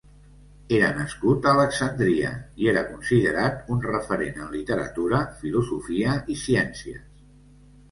Era nascut a Alexandria i era considerat un referent en literatura, filosofia, i ciències.